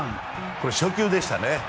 これ初球でしたね。